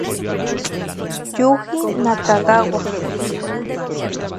Yuji Nakagawa